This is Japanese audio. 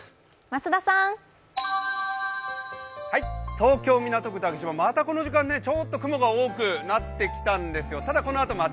東京・港区竹芝、またこの時間、雲が多くなってきたんですよ。